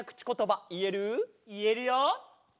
いえるよ！